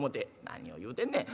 「何を言うてんねん。